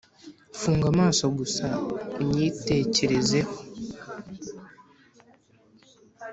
funga amaso gusa unyitekerezeho